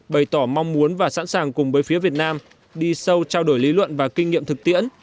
bày tỏ mong muốn và sẵn sàng cùng với phía việt nam đi sâu trao đổi lý luận và kinh nghiệm thực tiễn